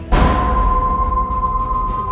tidak ada yang bisa mengganggu